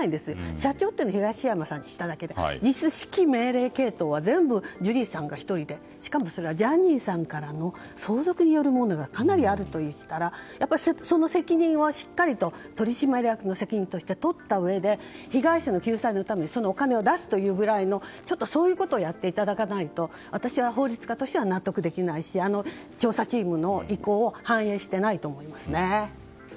社長を東山さんにしただけで実質、指揮命令系統は全部、ジュリーさんが１人でしかも、それはジャニーさんによる相続によるものがかなりあるということですからしっかりと取締役の責任として取ったうえで被害者の救済のためにそのお金を出すくらいのことをやっていただかないと私は、法律家としては納得できないし調査チームの意向を反映していないと思いますね。